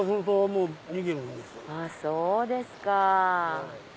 そうですか。